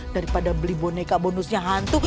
daripada beli boneka bonusnya hantu